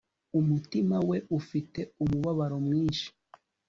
Umutima we ufite umubabaro mwinshi